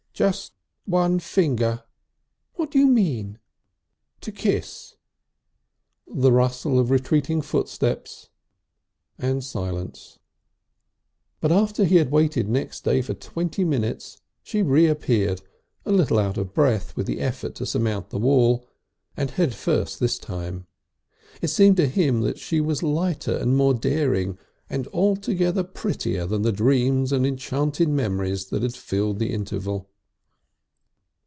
"Just one finger." "What do you mean?" "To kiss." The rustle of retreating footsteps and silence.... But after he had waited next day for twenty minutes she reappeared, a little out of breath with the effort to surmount the wall and head first this time. And it seemed to him she was lighter and more daring and altogether prettier than the dreams and enchanted memories that had filled the interval.